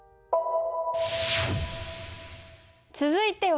続いては。